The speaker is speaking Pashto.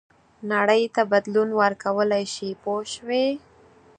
نړۍ ته بدلون ورکولای شي پوه شوې!.